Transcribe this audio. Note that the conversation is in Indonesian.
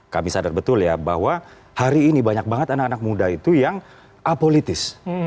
kami sadar betul ya bahwa hari ini banyak banget anak anak muda itu yang apolitis